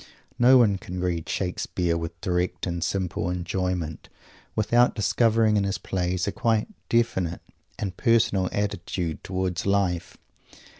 No one can read Shakespeare with direct and simple enjoyment without discovering in his plays a quite definite and personal attitude towards life.